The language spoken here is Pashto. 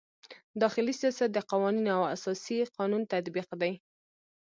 داخلي سیاست د قوانینو او اساسي قانون تطبیق دی.